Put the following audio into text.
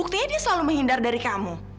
kita perlu bicara sama kamu